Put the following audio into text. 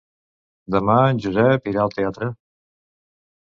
Demà en Josep irà al teatre.